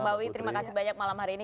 bawi terima kasih banyak malam hari ini